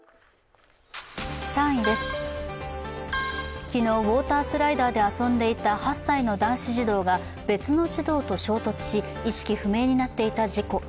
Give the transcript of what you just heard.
３位です、昨日、ウォータースライダーで遊んでいた８歳の男子児童が別の児童と衝突し、意識不明になっていた事故。